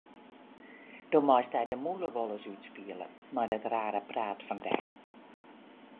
Do meist dy de mûle wolris útspiele mei dat rare praat fan dy.